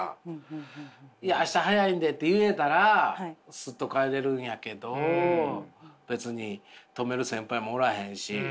「いや明日早いんで」って言えたらスッと帰れるんやけど別に止める先輩もおらへんし。